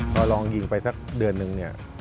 พอลองยิงไปสักเดือนนึงเนี่ย